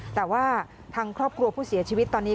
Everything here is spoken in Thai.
แต่ว่าทางครอบครัวผู้เสียชีวิตตอนนี้